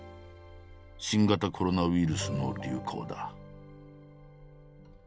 新型コロナウイルスの流行だ。